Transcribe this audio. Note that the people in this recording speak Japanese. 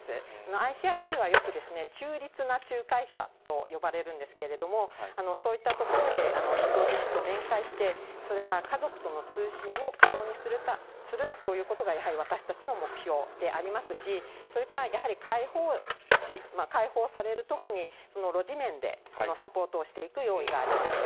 ＩＣＲＣはよく、中立な仲介者と呼ばれるんですけれども、そういったところで人質と面会して、それから家族との通信を可能にするということがやはり私たちの目標でありますし、それからやはり解放時、解放されるときにロジ面でサポートしていく用意があります。